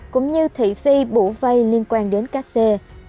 cũng như thị phi bủ vây liên quan đến ca sê